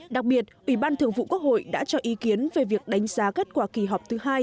đặc biệt ủy ban thường vụ quốc hội đã cho ý kiến về việc đánh giá kết quả kỳ họp thứ hai